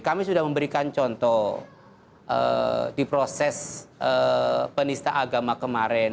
kami sudah memberikan contoh di proses penista agama kemarin